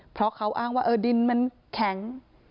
เพราะเขาอ้างว่าดินมันแข็ง